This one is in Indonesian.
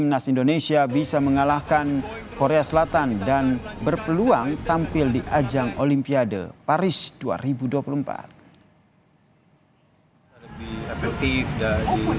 dan harapannya besok dengan korea semoga semakin meningkat dan permainannya bisa sama seperti lawan jordan